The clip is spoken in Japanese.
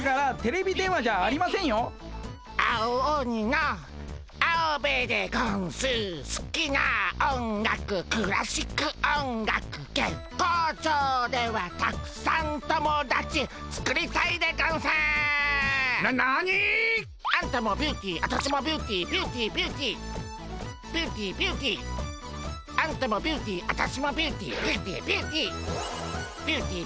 あんたもビューティー私もビューティー。